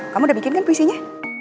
kamu udah bikin kan puisinya